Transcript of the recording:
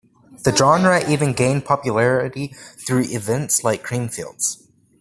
The genre even gained popularity through events like Creamfields.